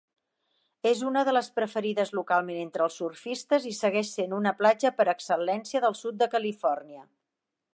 És una de les preferides localment entre els surfistes i segueix sent una platja per excel·lència del sud de Califòrnia.